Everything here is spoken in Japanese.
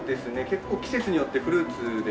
結構季節によってフルーツで。